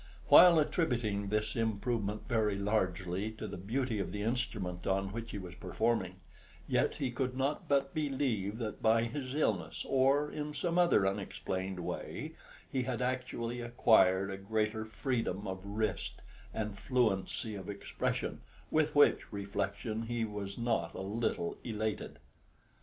While attributing this improvement very largely to the beauty of the instrument on which he was performing, yet he could not but believe that by his illness, or in some other unexplained way, he had actually acquired a greater freedom of wrist and fluency of expression, with which reflection he was not a little elated.